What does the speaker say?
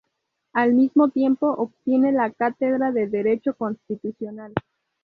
Al mismo tiempo obtiene la Cátedra de Derecho constitucional.